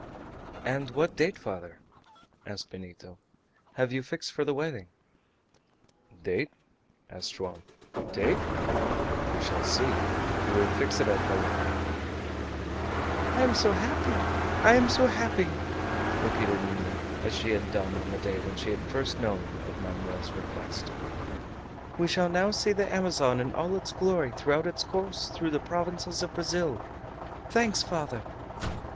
"And what date, father," asked Benito, "have you fixed for the wedding?" "Date?" answered Joam. "Date? We shall see. We will fix it at Belem." "I am so happy! I am so happy!" repeated Minha, as she had done on the day when she had first known of Manoel's request. "We shall now see the Amazon in all its glory throughout its course through the provinces of Brazil! Thanks, father!"